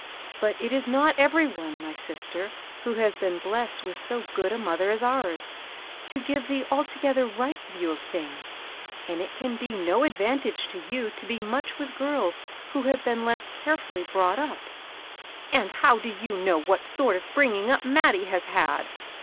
But it is not every one, my sister, who has been blessed with so good a mother as oure, to give the altogether right view of things, and it can be no advantage to you to be HILDA A SEWING GIRL. 69 much with girls who have been less carefully brought up." " And how do you know what sort of a bring ing up Mattie has had